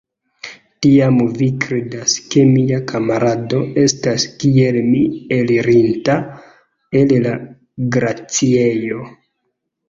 Tiam vi kredas, ke mia kamarado estas kiel mi elirinta el la glaciejo?